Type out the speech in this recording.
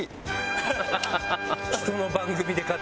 ハハハハ！